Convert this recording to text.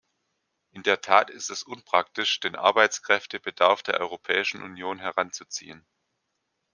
In der Tat ist es unpraktisch, den Arbeitskräftebedarf der Europäischen Union heranzuziehen.